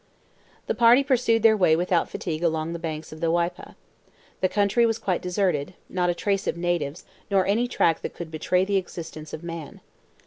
The party pursued their way without fatigue along the banks of the Waipa. The country was quite deserted; not a trace of natives, nor any track that could betray the existence of man.